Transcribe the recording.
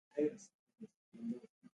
سپي د خوښۍ نښې ښيي.